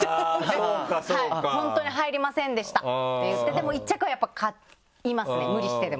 でも１着はやっぱ買いますね無理してでも。